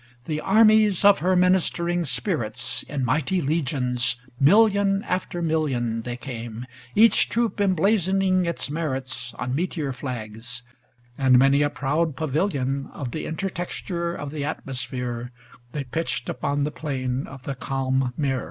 The armies of her ministering spirits; In mighty legions, million after million. They came, each troop emblazoning its merits On meteor flags; and many a proud pa^ vilion Of the intertexture of the atmosphere They pitched upon the plain of the calm mere.